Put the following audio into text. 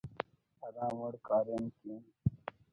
ہرا وڑ کاریم کین